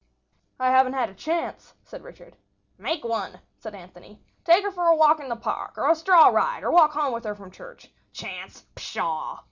"I haven't had a chance," said Richard. "Make one," said Anthony. "Take her for a walk in the park, or a straw ride, or walk home with her from church. Chance! Pshaw!"